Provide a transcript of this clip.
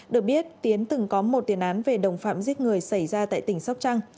được biết tiến từng có một tiền án về đồng phạm giết người xảy ra tại tỉnh sóc trăng